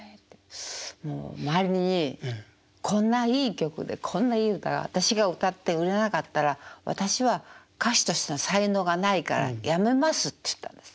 もう周りにこんないい曲でこんないい歌が私が歌って売れなかったら私は歌手としての才能がないから辞めますって言ったんです。